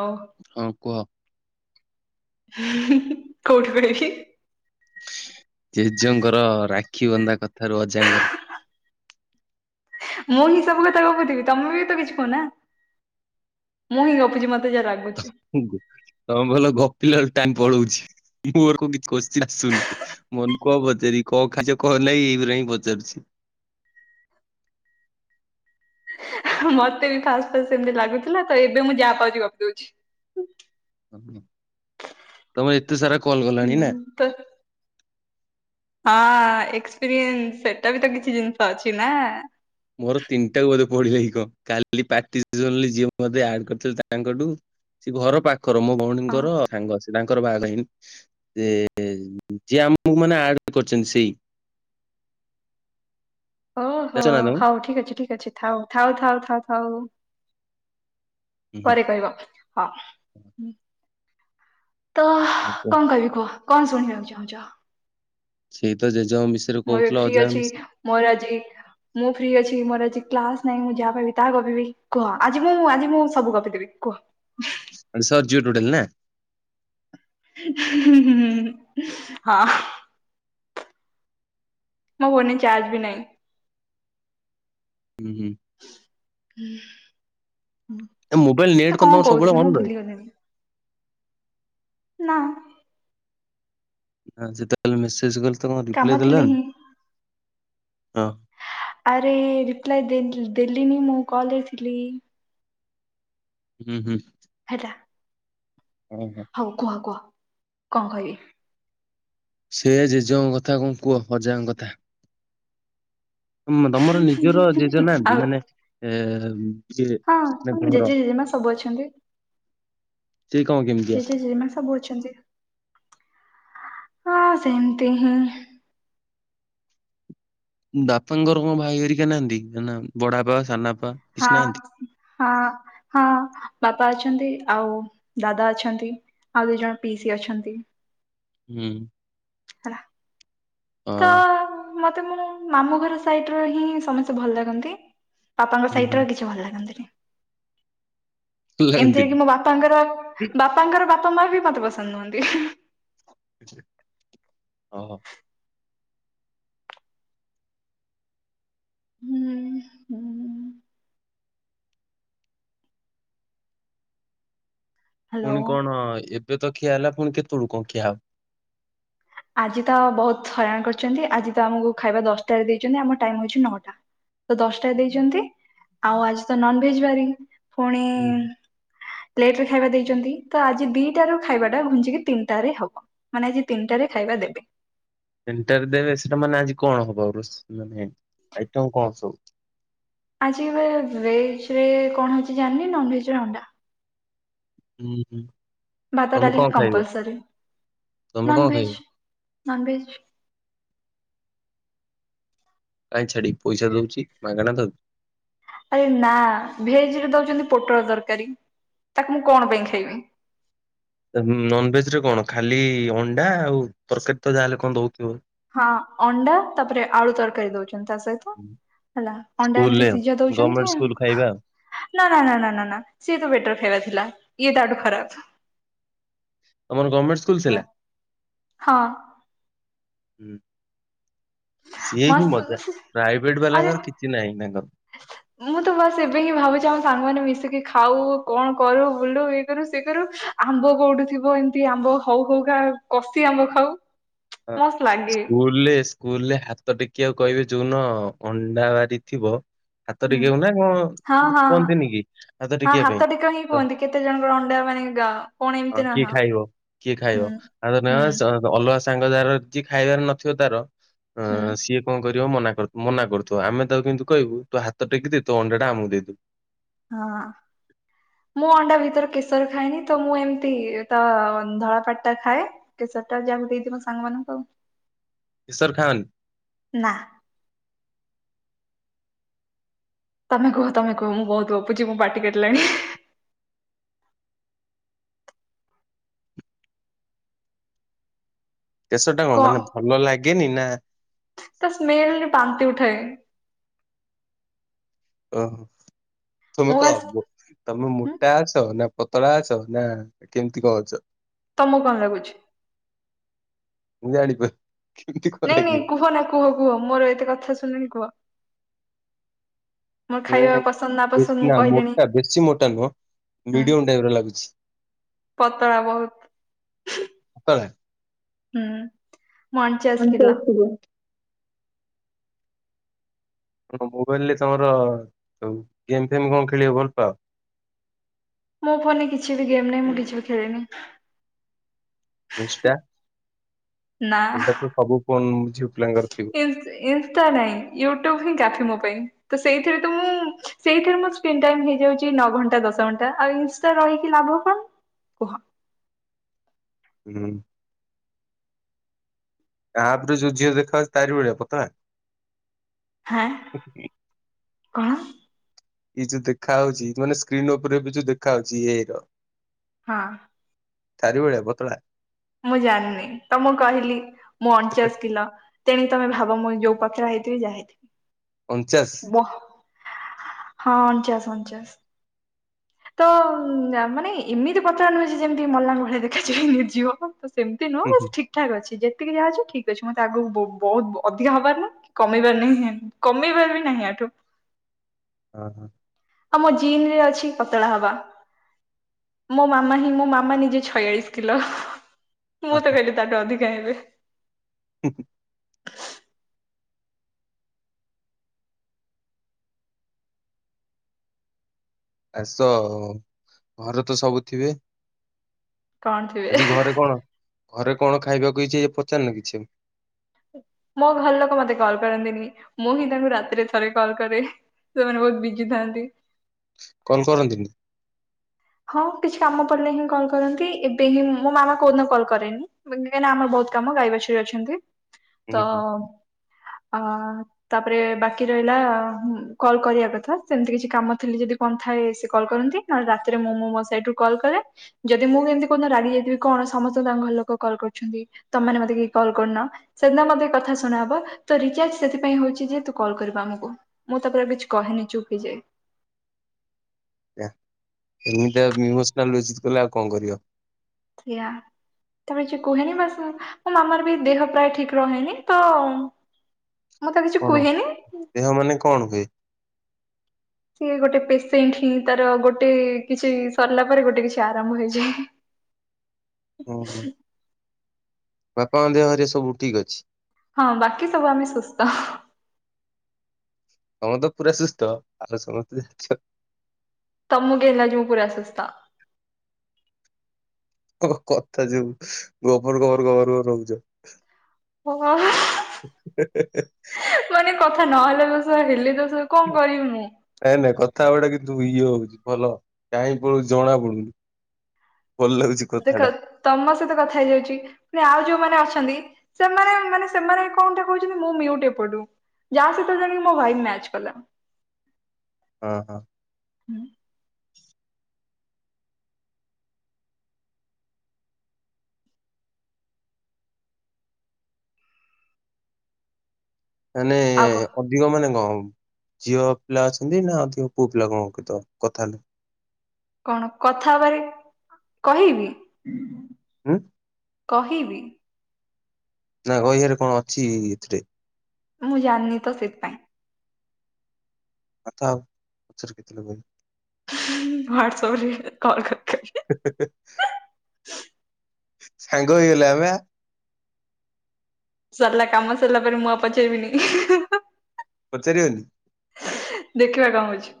ହୋଉ। ହଁ କୁହ। କୋଉଠି [unintelligible] ଜେଜେଙ୍କର ରାକ୍ଷୀ ବନ୍ଧା କଥାରୁ ଅଜାଙ୍କର ମୁଁ ହିଁ ସବୁ କଥା କହୁଥିବି ତମେ ବି ତ କିଛି କୁହନା। ମୁହିଁ ଗପୁଛି ମତେ ଯାହା ରାଗୁଛି। ତମେ ଭଲ ଗପିଲା ଟାଇମ ପଳଉଛି ମୁଁ [unintelligible] ଆସୁନି ମନେ କହ ପଚାରି କଣ ଖାଚ କହ ନାଇଁ ଏଇଗୁରା ହିଁ ପଚାରୁଛି। ମତେ ବି ଫାଷ୍ଟ ଫାଷ୍ଟ ସେମତି ଲାଗୁଥିଲା ତ ଏବେ ମୁଁ ଯାହା ପାଉଛି ଗପି ଦଉଛି। ଓ ତମେ ଏତେ ସାରା କଲ କଲଣି ହୁଁ ନା? ତ ହଁ ଏକ୍ସପିରିଏନ୍ସ ସେଟା ବି ତ କିଛି ଜିନିଷ ଅଛି ନା। ମୋର ତିନିଟାକୁ ବୋଧେ ପଢିଲଇ କ [unintelligible] ଯିଏ କରିଥିଲେ ତାଙ୍କଠୁ। ସେ ଘର ପାଖର ମୋ ହଁ ଭଉଣୀଙ୍କର ସାଙ୍ଗ। ତାଙ୍କର ବାହାଘର ହେଇନି ଯେ ଯିଏ ଆମକୁ ମାନେ ଆଡ କରିଛନ୍ତି ସେଇ। ଓହୋ ଜାଣିଛ ନା ତାଙ୍କୁ ହଉ ଠିକ ଅଛି ଠିକ୍ ଅଛି ଥାଉ ଥାଉ ଥାଉ ଥାଉ ଥାଉ। ହୁଁ ପରେ କହିବ ହଁ ତ ହୁଁ କଣ କହିବି କୁହ। କଣ ଶୁଣିବାକୁ ଚାହୁଁଛ? ସେଇ ତ ଜେଜ ମିସ୍ ମୁଁ ଏବେ ଫ୍ରି ଅଛି ମୋର ଆଜି ମୁଁ ଫ୍ରି ଅଛି ମୋର ଆଜି କ୍ଲାସ ନାଇଁ ମୁଁ ଯାହା ପାଇିବି ତାହା ଗପିବି କୁହ ଆଜି ମୁଁ ଆଜି ମୁଁ ସବୁ ଗପିଦେବି କୁହ। ହଁ। ସର ଜୁଟ ଟୋଟେଲ ନା। ହଁ। ମୋ ଫୋନ ରେ ଚାର୍ଜ ବି ନାହିଁ। ହୁଁ ହୁଁ। ଏ ମୋବାଇଲ ନେଟ୍ ତ କଣ ତମର ସବୁବେଳେ କହୁଥିଲି ଅନ୍ ମୁଁ ରହେ? ଭୁଲିଗଲିଣିି। ନା। ନା ଯେତେବେଳେ ମେସେଜ ଗଲେ ତ କାମ ରିପ୍ଲାଏ ଥିଲେ ଦେଲାନ ହିଁ ହଁ। ଆରେ ରିପ୍ଲାଏ ଦେଲିନି ମୁଁ କଲ ରେ ଥିଲି। ହୁଁ ହୁଁ। ହେଲା। ହୁଁ ହୁଁ। ହଉ କୁହ କୁହ କଣ କହିଲି। ସେ ଜେଜେଙ୍କ କଥା କଣ କୁହ ଅଜାଙ୍କ କଥା। ହ ତମର ନିଜର ଆଉ ଯେଜନାହାନ୍ତି ମାନେ ଏ ଯିଏ ହଁ ମାନେ ଘର ଜେଜେ ଜେଜେମା ସବୁ ଅଛନ୍ତି। ସେ କଣ କେମିତି? ଜେଜେ ଜେଜେମା ସବୁ ଅଛନ୍ତି। ହଁ ସେମତି ହିଁ। ବାପାଙ୍କର କଣ ଭାଇ ହେରିକି ନାହାନ୍ତି କି ବଡା ବାପା ସାନାବାପା। ହଁ ହଁ। ହଁ ବାପା ଅଛନ୍ତି ଆଉ ଦାଦା ଅଛନ୍ତି ଆଉ ଦି ଜଣ ପିଇସି ଅଛନ୍ତି। ହୁଁ। ହେଲା ତ ହଁ ମତେ ମୁଁ ମାମୁଁ ଘର ସାଇଡ ର ହିଁ ସମସ୍ତେ ଭଲ ଲାଗନ୍ତି। ବାପାଙ୍କ ହୁଁ, ସହିତ ହୁଁ। କିଛି ଭଲ ଲାଗନ୍ତିନି। ଏମିତିରେ ଲାଗନ୍ତିନି କି ମୋ ବାପାଙ୍କର ବାପାଙ୍କର ବାପା ମା ବି ମତେ ପସନ୍ଦ ନୁହନ୍ତି। ଆଛା। ଓହୋ। ହୁଁ ହୁଁ। ହ୍ୟାଲୋ। ପୁଣି କଣ ଏବେ ତ ଖିଆ ହେଲା ପୁଣି କେତେବେଳୁ କଣ ଖିଆ ହବ? ଆଜି ତ ବୋହୁତ ହଇରାଣ କରିଚନ୍ତି ଆଜି ତ ଆମକୁ ଖାଇବା ଦଶଟାରେ ଦେଇଛନ୍ତି ଆମ ଟାଇମ ହୋଉଚି ନଅଟା। ତ ଦଶଟା ଦେଇଛନ୍ତି ଆଉ ଆଜି ତ ନନ ଭେଜ ବାରି ପୁଣି ଲେଟେରେ ଖାଇବା ଦେଇଚନ୍ତି ତ ଆଜି ଦିଇଟା ରୁ ଖାଇବା ଟା ଘୁଞ୍ଚିକି ତିନିଟା ରେ ହବ। ମାନେ ଆଜି ତିନିଟାରେ ଖାଇବା ଦେବେ। ତିନିଟାରେ ଦେବେ ସେଟା ମାନେ ଆଜି କଣ ହବ ଆଇଟମ କଣ ସବୁ? ଆଜି ଏବେ ଭେଜ ରେ କଣ ହୋଉଚି ଜାଣିନି ନନ ଭେଜ ରେ ଅଣ୍ଡା। ହୁଁ ହୁଁ। ଭାତ ତମେ ଡାଲି କଣ ଖାଇବ କମ୍ପଲସରି ତମେ ନନ କଣ ଖାଇବ ଭେଜ ନନ ଭେଜ। କାଇଁ ଛାଡିବି ପଇସା ଦୋଉଚି ମାଗଣା ଦ ଆରେ ନା ଭେଜ ରେ ଦୋଉଚିନ୍ତି ପୋଟଳ ତରକାରୀ ତାକୁ ମୁଁ କଣ ପାଇଁ ଖାଇବି। ନନଭେଜ ରେ କଣ ଖାଲି ଅଣ୍ଡା ଆଉ ତରକାରୀ ତ ଯାହାହେଲେ କଣ ଦୋଉଥିବ? ହଁ ଅଣ୍ଡା ତାପରେ ଆଳୁ ତରକାରୀ ଦୋଉଚନ୍ତି ତା ସହିତ। ହେଲା ଅଣ୍ଡା ଏମିତି ସ୍କୁଲରେ ସିଝା ଦୋଉଚନ୍ତି ଗଭର୍ଣମେଣ୍ଟ ଆଉ। ସ୍କୁଲ ଖାଇବା ଆଉ। ନା ନା ନା ନା ନା ନା ସିଏ ତ ବେଟର ଖାଇବା ଥିଲା ଇଏ ତ ତାଆଠୁ ଖରାପ୍। ତମର ଗମେଣ୍ଟ ଇସ୍କୁଲ ହେଲା ଥିଲା ହଁ ହୁଁ। ସିଏ ହିଁ ମସ୍ତ ମଜା ପ୍ରାଇଭେଟ ବାଲାଙ୍କର କିଛି ନାହିଁ ତାଙ୍କର। ହ [unintelligible] ମୁଁ ତ ବସ ଏବେ ହିଁ ଭାବୁଛି ଆମ ସାଙ୍ଗମାନେ ମିଶିକି ଖାଉ କଣ କରୁ ବୁଲୁ ଇଏ କରୁ ସେଏ କରୁ। ଆମ୍ବ କୋଉଠି ଥିବ ଏମିତି ଆମ୍ବ ହଉ ହଉ କା କସିି ଆମ୍ବ ଖାଉ। ହଁ ମସ୍ତ ସ୍କୁଲ ଲାଗେ। ମୁଁ କହିଲି ସ୍କୁଲରେ ସ୍କୁଲ ରେ ହାତ ଟେକିବାକୁ କହିବେ ଯୋଉଦିନ ଅଣ୍ଡା ବାରି ଥିବ। ହାତ ହୁଁ ଟିକିବାକୁ ନା କଣ ହଁ ହଁ କୁହନ୍ତିନି କି ହାତ ହଁ ଟିକିବା ପାଇଁ। ଟେକା ହିଁ କୁହନ୍ତି କେତେ ଜଣଙ୍କର ଅଣ୍ଡା ମାନେ ଗା କଣ ଏମିତି ହଁ ନା କିଏ ଖାଇବ କିଏ ହୁଁ। ଖାଇବ ତାଙ୍କ ନା ହୁଁ ଅଛି। ଅଲଗା ସାଙ୍ଗ ଯାର ଖାଇବାର ନଥିବ ତାର ଅ ହୁଁ। ସିଏ କଣ କରିବ ମନା ମନା କରୁଥିବ ଆମେ ତାକୁ କିନ୍ତୁ କହିବୁ ତୁ ହାତ ଟେକି ଦେ ତୋ ଅଣ୍ଡାଟା ଆମକୁ ଦେଇବୁ। ହଁ। ମୁଁ ଅଣ୍ଡା ଭିତରେ କେଶର ଖାଏନି ତ ମୁଁ ଏମିତି ତ ଧଳା ପାଟା ଖାଏ। କେସରଟା ଯାକୁ ଦେଇଥିବୁ ସାଙ୍ଗମାନଙ୍କୁ ଆଉ। କିଈଶର ଖାନି? ନା। ତମେ କୁହ ତମେ କୁହ ମୁଁ ବୋହୁତୁ ଗପୁଛି ମୋ ପାଟି କାଟିଲାଣି। କେଷରଟା କଣ ମାନେ ଭଲ ଲାଗେନି ନା ତା ସ୍ମେଲ ବାନ୍ତି ଉଠଏ। ଓହୋ ତୁମେ ମୁଁ କ ବାସ୍ ତମେ ହୁଁ ମୋଟା ଅଛ ନା ପତଳା ଅଛ ନା କେମିତି କଣ ଅଛ? ତମକୁ କଣ ଲାଗୁଛି? ମୁଁ ଜାଣିପାରୁ ନାଇଁ ନାଇଁ କୁହ ନା କୁହ କୁହ ମୋର ଏତେ କଥା ଶୁଣି ଲଣି କୁହ? ମୋର ଖାଇବା ଏଁ ପସନ୍ଦ ନା ପସନ୍ଦ ବେଶୀ ମୁଁ କହିଲିଣି ମୋଟା ବେଶୀ ମୋଟା ନୁହଁ ହୁଁ। ମିଡିୟମ ଟାଇପ ର ଲାଗୁଛି ପତଳା ବହୁତ୍। ପତଳା। ହୁଁ ମୁଁ କଣ ଅଣଚାଷ କିଲୋ। କରୁଥିଲୁ? ମୋବାଇଲରେ ତମର ଗେମ୍ ଫେମ କଣ ଖେଳିବକୁ ଭଲ ପାଅ। ମୋ ଫୋନରେ କିଛି ବି ଗେମ୍ ନାହିଁ ମୁଁ କିଛି ବି ଖେଳେନି। ଇନଷ୍ଟା ନା। ସେଇଟା ତ ସବୁ ଫୋନ ଇନଷ୍ଟା ନାଇଁ ୟୁଟ୍ୟୁବ ହିଁ କାଫି ମୋ ପାଇଁ ତ ସେଇଥିରେ ତ ମୁଁ ସେଇଥିରେ ମୋ ସ୍କ୍ରିନ ଟାଇମ୍ ହେଇଯାଉଛି ନଅ ଘଣ୍ଟା ଦଶ ଘଣ୍ଟା ଆଉ ଇନଷ୍ଟା ରହିକି ଲାଭ କଣ। ଓହୋ। ହୁଁ। ଆପରେ ଯୋଉ ଝିଅ ଦେଖା ଅଛି ତାରି ଭଳିଆ ପତଳା। ହଁ କଣ? ଇଏ ଯୋଉ ଦେଖା ହାଉଛି ମାନେ ସ୍କ୍ରିନ ଉପରେ ବି ଯୋଉ ଦେଖା ହୋଉଛି ଇଏ ହେଇଥିବ। ହଁ। ତାରିଭଳିଆ ପତଳା। ମୁଁ ଜାଣିନି ତ ମୁଁ କହିଲି। ମୁଁ ଅଣଚାଶ କିଲ। ତେଣିକି ତମେ ଭାବ ମୁଁ ଯୋଉ ପତଳା ହେଇଥିବି ଯାହା ହେଇିଥିବି। ଅଞ୍ଚାଶ। ହଁ ଅଣଚାଶ ଅଣଚାଶ। ତ ମାନେ ଏମିତି ପତଳା ନୁହେଁ ଯେ ଯେମିତି ମଲାଙ୍କ ଭଳିଆ ଦେଖାଯିବି ନିର୍ଜୀବ। ତ ସେମିତି ନୁହଁ ହୁଁ ବାସ୍ ହୁଁ ଠିକ୍ ଠାକ ଅଛି ଯେତିକି ଯାହା ଅଛି ଠିକ୍ ଅଛି ମତେ ଆଗକୁ ବହୁତ ଅଧିକା ହବାର ନାହିଁ। କମିବାର ନାହିଁ କମିବାର ବି ନାହିଁ ଇଆଠୁ। ହଁ। ଆଉମୋ ଜିିନ ରେ ଅଛି ପତଳା ହବା। ମୋ ମାମା ହିଁ ମୋ ମାମା ନିଜେ ଛୟାଳିଶି କିଲୋ ହଁ ମୁଁ ତ ହଁ। କହିଲି ତାଠୁ ଅଧିକା ହେବି। ହୁଁ। ଆସ ଘରେ ତ ସବୁ ଥିବେ। କଣ ଆଜି ଥିବେ। ଘରେ କଣ ଘରେ କଣ ଖାଇବାକୁ ହେଇଛି ପଚାରି ନ କିଛି। ମୋ ଘର ଲୋକ ମତେ କଲ୍ କରନ୍ତିନି ମୁଁ ହିଁ ତାଙ୍କୁ ରାତିରେ ଥରେ କଲ୍ କରେ। ସେମାନେ ବହୁତ୍ ବିଜିିଥାନ୍ତି। ଫୋନ କରନ୍ତିନି? ହଁ କିଛି କାମ ପଡ଼ିଲେ ହିଁ କଲ୍ କରନ୍ତି ଏବେ ହିଁ ମୋ ମାମା କୋଉଦିନ କଲ୍ କରେନି। କାଇଁ ନା ଆମର ବହୁତ୍ କାମ ଗାଈ ବାଛୁରୀ ଅଛନ୍ତି ହୁଁ ତ ହୁଁ ଆ ତାପରେ ବାକି ରହିଲା କଲ କରିବା କଥା ସେମିତି କିଛି କାମ ଥିଲେ ଯଦି କଣ ଥାଏ ସେ କଲ୍ କରନ୍ତି ନହେଲେ ରାତିରେ ମୁଁ ମୋ ମୋ ସାଇଟ୍ ରୁ କଲ୍ କରେ। ଯଦି ମୁଁ କେମିତି କୋଉଦିନ ରାଗି ଯାଇଥିବି କଣ ସମସ୍ତେ ତାଙ୍କ ଘରଲୋକ କଲ୍ କରୁଛନ୍ତି। ତମେମାନେ ମତେ କେହି କଲ୍ କରୁନ। ସେଦିନ ମୋତେ କଥା ଶୁଣାହବ ତୋ ରିଚାର୍ଜ ସେଥିପାଇଁ ହୋଉଛି ଯେ ତୁ କଲ କରିବୁ ଆମକୁ। ମୁଁ ତାପରେ ଆଉକିଛି କହେନି ଚୁପ୍ ହେଇଯାଏ। ଏମିତିଆ ଇମୋସନାଲ ବେଜିତ କଲେ ଆଉ କଣ କରିବ। ଇୟା। ତାପରେ କିଛି କୁହେନି ବାସ୍ ମୋ ମାମାର ବି ଦେହ ପ୍ରାୟ ଠିକ୍ ରହେନି ତ ମୁଁ ତ କିଛି କଣ କୁହେନି। ଦେହ ମାନେ କଣ ହୁଏ? ସିଏ ଗୋଟେ ପେସେଣ୍ଟ ହିଁ ତାର ଗୋଟେ କିଛି ସରିଲା ପରେ ଗୋଟେ କିଛି ଆରମ୍ଭ ହେଇଯାଏ। ହୁଁ। ବାପାଙ୍କ ଦେହ ହରି ସବୁ ଠିକ୍ ଅଛି। ହଁ ବାକି ସବୁ ଆମେ ସୁସ୍ଥ। ତମେ ତ ପୁରା ସୁସ୍ଥ ଆଉ ସମସ୍ତେ ଠିକ୍। ତମକୁ କେମିତି ଲାଗୁଛି ମୁଁ ପୁରା ସୁସ୍ଥ। ତମ କଥା ଯଉ ଗୋବର ଗୋବର ଗୋବର ଗୋବର ହଉଛ। ମାନେ କଥା ନହଲେ ଦୋଷ ହେଲେ ଦୋଷ, କଣ କରିବି ମୁଁ? ନାଇଁ ନାଇଁ କଥା ଗୁଟା କିନ୍ତୁ ଇଏ ହଉଛି ଭଲ, ଟାଇମ ପଳଉଛି ଜଣା ପଡୁନି। ଭଲ ଲାଗୁଛି। ଦେଖ କଥାଟା ତମ ସହିତ କଥା ହେଇଯାଉଛି। ପୁଣି ଆଉ ଯୋଉମାନେ ଅଛନ୍ତି। ସେମାନେ ମାନେ ସେମାନେ କଣଟା କହୁଛନ୍ତି ମୁଁ ମ୍ୟୁଟ୍ ଏପଟୁ। ଯାହା ସହିତ ଜାଣି ମୋ ଭାଇ ମ୍ୟାଚ କଲା। ଓ। ମାନେ ଆଉ କ ଦିଅ ମାନେ କଣ? ଝିଅ ପିଲା ଅଛନ୍ତି ନାଧିକ ପୁଅ ପିଲା, କଣତ କଥା କଣ କଥା ହେବାରେ କହିବି? ହୁଁ। କହିବି। ନା କହି ସାରେ କଣ ଅଛି କି କିଛି? ମୁଁ ଜାଣିନି ତ ସେଥିପାଇଁ ଆଉ ଥାଉ ପଛରେ ହ୍ୱାଟସପ୍ ରେ କଲ୍ କରିଥିଲି। ସେ ସାଙ୍ଗ ହେଇଗଲେ ଆମେ ଛୁଆପିଲା କାମ ସରିଲା ପରେ ମୁଁ ଆଉ ପଚାରବିନି କି ପଚାରିବନି। ଦେଖିବା କଣ ହଉଛି?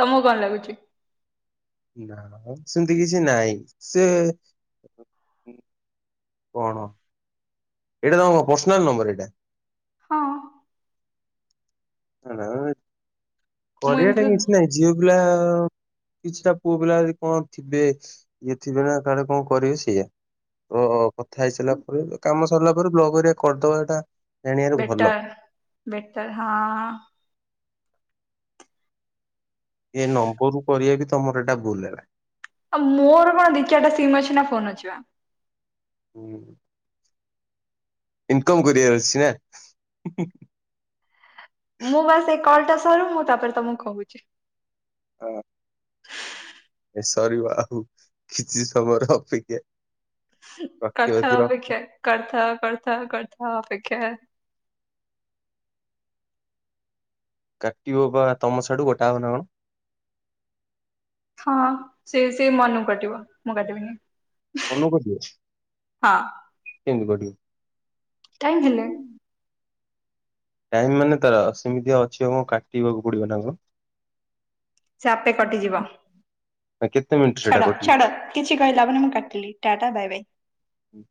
ତମକୁ କଣ ଲାଗୁଛି? ସେମିତି କିଛି ନାହିଁ ସେ କଣ ଏଇଟା ତମ ପର୍ସି ନାଲ ନମ୍ବର ଏଇଟା? ହଁ। ମୁଁ କରିବା ଏମିତି ଟା କିଛି ନାହିଁ ଝିଅ ପିଲା କିଛିଟା ପୁଅ ପିଲା ଯଦି କଣ ଥିବେ ଇଏ ଥିବେ ନା କାଳେ କଣ କରିବେ? ସେଇ ଓହୋ କଥା ହେଇ ସାରିଲା ପରେ କାମ ସରିଲା ପରେ ବ୍ଲଗ ଅରିଆ କରିଦବା ଏଇଟା ଜାଣିବାରେ ବେଟା ଭଲ ବେଟା ହଁ ଏ ନମ୍ବରରୁୁ କରିବା ବି ତମର ଏଇଟା ଭୁଲ ହେଲା। ଆଉ ମୋର କଣ ଦି ଚାରିଟା ସିମ୍ ଅଛି ନା ଫୋନ ଅଛିି। ହୁଁ ଇନକମ କରିବାର ଅଛି ନା। ମୁଁ ବାସ ଏଇ କଲଟା ସରୁ ମୁଁ ତାପରେ ତମକୁ କହୁଛି। ହଁ। ଏ ସରିବ ଆଉ କିଛି ସମୟର ଅପେକ୍ଷା। ରଖିବ କରଥାଅ ଯଦି ରଖ ଅପେକ୍ଷା କରଥାଅ କରଥାଅ କରଥାଅ ଅପେକ୍ଷା। କାଟିବ ବା ତମ ସିଆଡୁ କଟା ହବ ନା କଣ? ହଁ ସେ ବି ସେଇ ମନକୁ କଟିବ ମୁଁ କାଟିବିନି। ମନୁକୁ କଟିବ ହଁ କେମତି କାଟିବ? ଟାଇମ୍ ହେଲେ। ଟାଇମ୍ ମାନେ ତାର ସେମିତି ଅଛିି ଆମକୁ କାଟିବାକୁ ପଡ଼ିବ ନା କଣ। ସେ ଆପେ କଟିଯିବ ନା କେତେ ମିନିଟ ସେଇଟା ଛାଡ଼ କଟିବ? ଛାଡ଼। କିଛି କହିଲେ ହବନି ମୁଁ କାଟିଲି ଟାଟା ବାଏ ବାଇ। ହୁଁ।